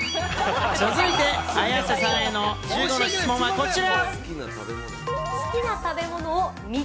続いて、綾瀬さんへの１５の質問はこちら。